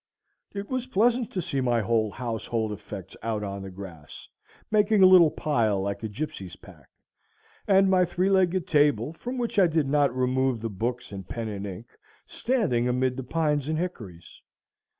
It was pleasant to see my whole household effects out on the grass, making a little pile like a gypsy's pack, and my three legged table, from which I did not remove the books and pen and ink, standing amid the pines and hickories.